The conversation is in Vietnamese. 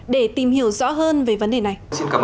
để tìm hiểu rõ hơn về vấn đề này